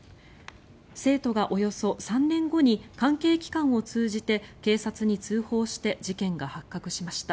生徒がおよそ３年後に関係機関を通じて警察に通報して事件が発覚しました。